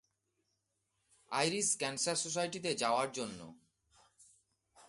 Irish cancer সোসাইটিতে যাওয়ার জন্য।